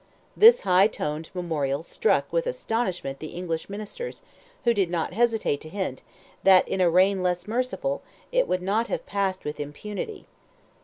This high toned memorial struck with astonishment the English ministers, who did not hesitate to hint, that, in a reign less merciful, it would not have passed with impunity.